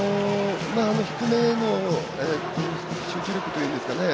低めの集中力というんですかね